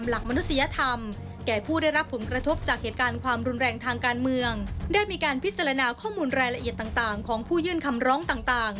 และมีการพิจารณาข้อมูลรายละเอียดต่างของผู้ยื่นคำร้องต่าง